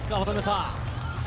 渡辺さん。